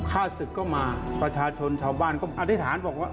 ฆ่าศึกก็มาประชาชนชาวบ้านก็อธิษฐานบอกว่า